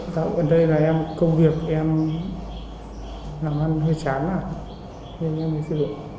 dạo gần đây là em công việc em làm ăn hơi chán à nên em mới sử dụng